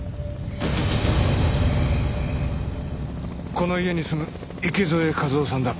この家に住む池添一雄さんだ。